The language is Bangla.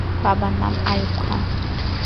বাবার নাম আইয়ুব খান।